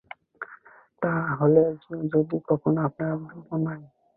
তা হলে যদি কখনো আপনার– বিনয়।